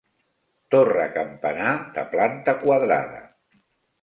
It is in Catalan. Torre campanar de planta quadrada.